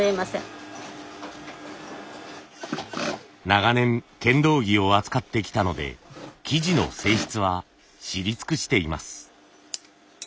長年剣道着を扱ってきたので生地の性質は知り尽くしています。